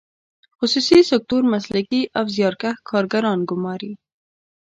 خصوصي سکتور مسلکي او زیارکښ کارګران ګماري.